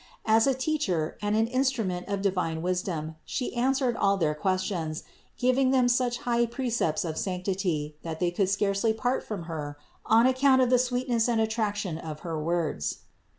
As a Teacher and an instrument of divine wisdom She answered all their questions, giving them such high precepts of sanctity that they could scarcely part from Her on account of the sweetness and attraction of her words.